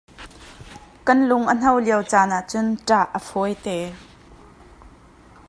Kan lung a hno lio caan ahcun ṭah a fawi te.